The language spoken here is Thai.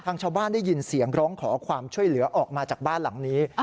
ชาวบ้านได้ยินเสียงร้องขอความช่วยเหลือออกมาจากบ้านหลังนี้